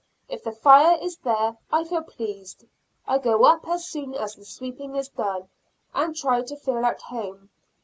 If the fire is there, I feel pleased; I go up as soon as the sweeping is done, and try to feel at home.